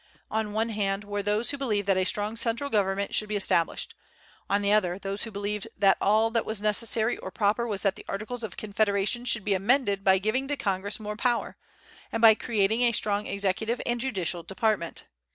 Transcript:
On the one hand, were those who believed that a strong central government should be established; on the other, those who believed that all that was necessary or proper was that the Articles of Confederation should be amended by giving to Congress more power, and by creating a strong executive and a judicial department.